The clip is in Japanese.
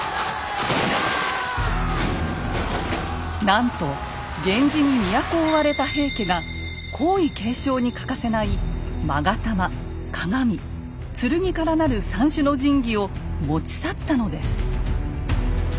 なんと源氏に都を追われた平家が皇位継承に欠かせない勾玉・鏡・剣から成る三種の神器を持ち去ったのです。